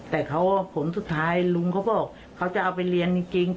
แต่เขาผลสุดท้ายลุงเขาบอกเขาจะเอาไปเรียนจริง